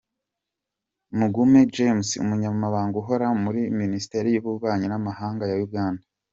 Mugume James, Umunyamaganga uhoraho muri Minisiteri yUbubanyi nAmahanga ya Uganda.